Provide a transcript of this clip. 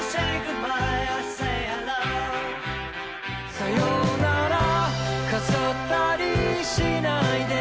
「さようなら飾ったりしないで」